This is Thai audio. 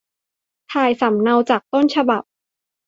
ถ่ายสำเนาจากต้นฉบับ